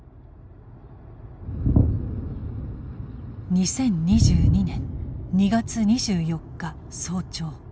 ２０２２年２月２４日早朝。